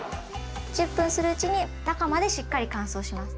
１０分するうちに中までしっかり乾燥します。